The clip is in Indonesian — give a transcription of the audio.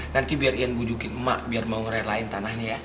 nanti biar ian bujukin emak biar mau ngerelain tanahnya ya